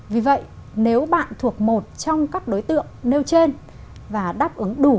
vì vậy nếu bạn thuộc một trong các đối tượng nếu bạn thuộc một trong các đối tượng nếu bạn thuộc một trong các đối tượng